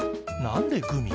何でグミ？